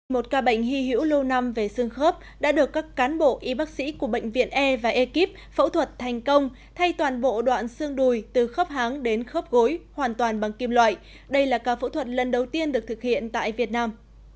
một ca bệnh hy hữu lâu năm về xương khớp đã được các cán bộ y bác sĩ của bệnh viện e và ekip phẫu thuật thành công thay toàn bộ đoạn xương đùi từ khớp háng đến khớp gối hoàn toàn bằng kim loại đây là ca phẫu thuật lần đầu tiên được thực hiện tại việt nam